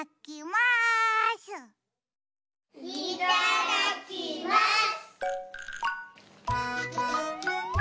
いただきます！